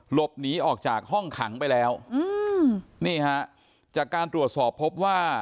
หลบหนีออกจากห้องขังไปแล้วอืมนี่ฮะจากการตรวจสอบพบว่า